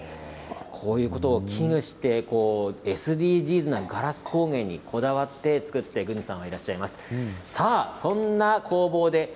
こうしたことを危惧してＳＤＧｓなガラス工芸にこだわって軍司さんは作っていらっしゃるんです。